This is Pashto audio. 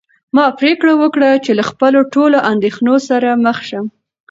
ما پرېکړه وکړه چې له خپلو ټولو اندېښنو سره مخ شم.